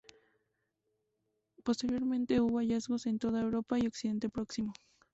Posteriormente hubo hallazgos en toda Europa y Oriente Próximo.